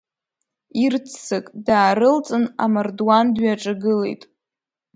Ирццак даарылҵын, амардуан дҩаҿагылеит.